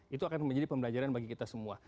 itu akan menjadi pembelajaran bagi kita semua